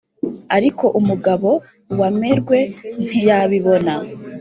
ariko umugabo w' amerwe ntiyabibona !